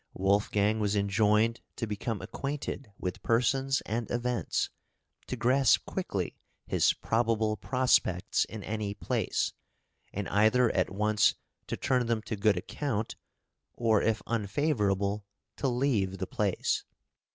Wolfgang was enjoined to become acquainted with persons and events, to grasp quickly his probable prospects in any place, and either at once to turn them to good account, or if unfavourable, to leave the place.